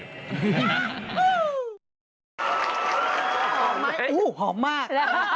หอมไหมโอ้โฮหอมมาก